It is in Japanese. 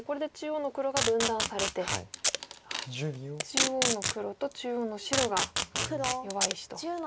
中央の黒と中央の白が弱い石と。